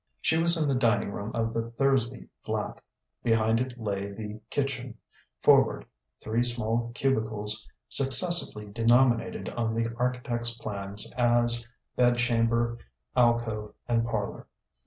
She was in the dining room of the Thursby flat. Behind it lay the kitchen; forward, three small cubicles successively denominated on the architect's plans as "bedchamber," "alcove," and "parlour."